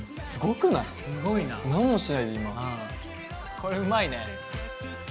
これうまいね。